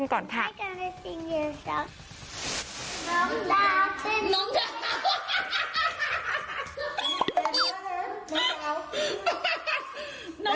น้องดาวน้องดาว